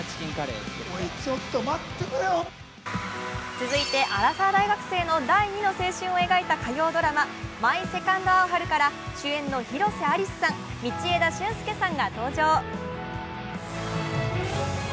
続いて、アラサー大学生の第２の青春を描いた火曜ドラマ、「マイ・セカンド・アオハル」から主演の広瀬アリスさん、道枝駿佑さんが登場。